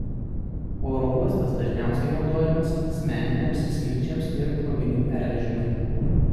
Oro uostas dažniausiai naudojamas asmeniniams skrydžiams ir krovinių pervežimui.